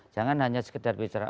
jangan hanya sekedar bicara